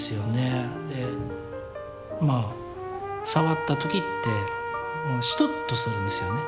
でまあ触った時ってシトッとするんですよね